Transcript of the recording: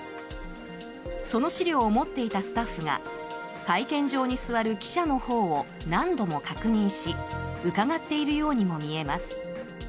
その資料を持っていたスタッフが会見場に座る記者のほうを何度も確認しうかがっているようにも見えます。